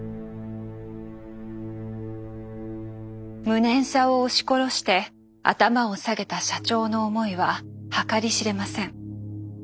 無念さを押し殺して頭を下げた社長の思いは計り知れません。